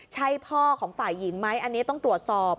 ใช่พ่อของฝ่ายหญิงไหมอันนี้ต้องตรวจสอบ